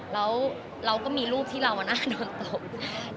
แล้วเราก็มีรูปที่เราน่าโดนตบ